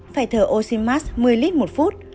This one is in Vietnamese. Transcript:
phải thở oxymax một mươi lít một phút